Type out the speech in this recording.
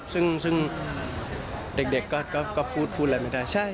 ซึ่งเด็กก็พูดอะไรถึงแบบนี้